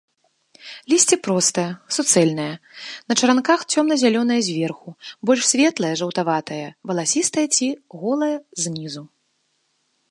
Лісце простае, суцэльнае, на чаранках, цёмна-зялёнае зверху, больш светлае, жаўтаватае, валасістае ці голае знізу.